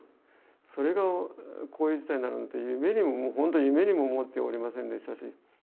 それがこういう事態になるなんて、夢にも、本当に夢にも思っておりませんでしたし。